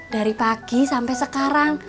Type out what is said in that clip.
dari pagi sampe sekarang